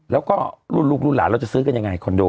แล้วก็รุ่นลูกรุ่นหลานเราจะซื้อกันยังไงคอนโด